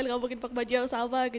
nggak mungkin pakai baju yang sama